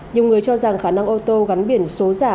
nhiều người cho rằng khả năng ô tô gắn biển số giả